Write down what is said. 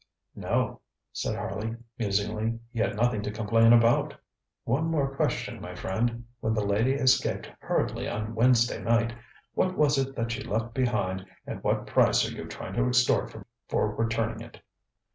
ŌĆØ ŌĆ£No, ŌĆØ said Harley musingly, ŌĆ£he had nothing to complain about. One more question, my friend. When the lady escaped hurriedly on Wednesday night, what was it that she left behind and what price are you trying to extort from her for returning it?